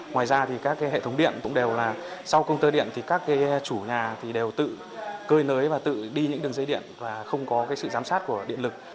ngoài ra thì các hệ thống điện cũng đều là sau công tơ điện thì các chủ nhà đều tự cơi nới và tự đi những đường dây điện và không có sự giám sát của điện lực